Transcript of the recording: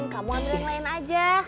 kamu ambil yang lain aja